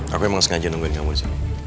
aku memang sengaja nungguin kamu zul